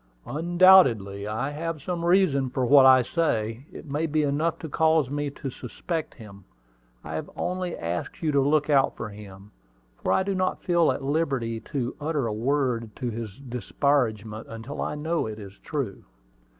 "Undoubtedly I have some reason for what I say. It may be enough to cause me to suspect him. I have only asked you to look out for him, for I do not feel at liberty to utter a word to his disparagement until I know it is true."